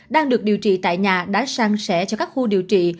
đang được điều trị tại nhà đã sang sẻ cho các khu điều trị